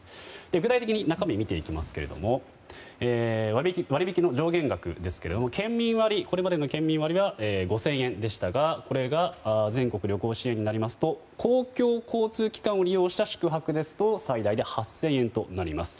具体的に中身を見ていきますけれども割引の条件額ですけれどもこれまでの県民割は５０００円でしたがこれが全国旅行支援になりますと公共交通機関を利用した宿泊ですと最大で８０００円となります。